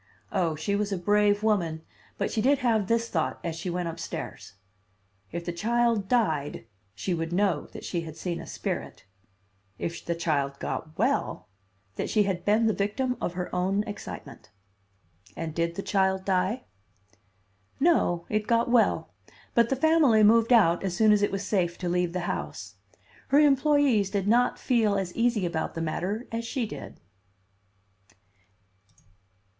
Oh, she was a brave woman, but she did have this thought as she went upstairs: If the child died she would know that she had seen a spirit; if the child got well, that she had been the victim of her own excitement. And did the child die? "No, it got well, but the family moved out as soon as it was safe to leave the house. Her employees did not feel as easy about the matter as she did."